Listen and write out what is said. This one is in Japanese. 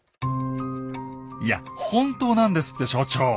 いや本当なんですって所長。